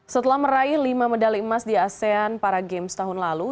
setelah meraih lima medali emas di asean para games tahun lalu